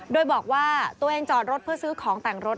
โดยบอกว่าตัวเองจอดรถเพื่อซื้อของแต่งรถ